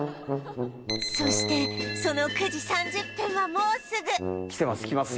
そしてその９時３０分はもうすぐ来てます。